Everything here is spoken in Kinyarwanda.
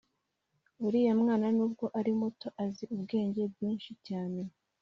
uriya mwana nubwo ari muto azi ubwenge bwinshi cyane